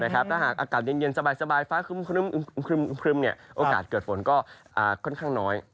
ถ้าหากอากาศเย็นสบายฟ้าครึมโอกาสเกิดฝนก็ค่อนข้างน้อย